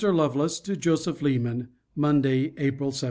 LOVELACE, TO JOSEPH LEMAN MONDAY, APRIL 17.